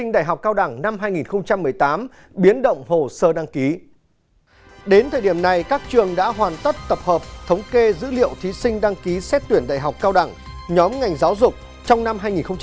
đến thời điểm này các trường đã hoàn tất tập hợp thống kê dữ liệu thí sinh đăng ký xét tuyển đại học cao đẳng nhóm ngành giáo dục trong năm hai nghìn một mươi chín